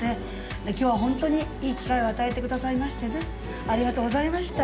今日はほんとにいい機会を与えて下さいましてねありがとうございました。